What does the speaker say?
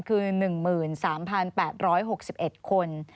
คือ๑๓๘๖๑คน